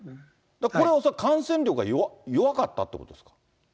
これ、恐らく感染力が弱かったっていうことですか？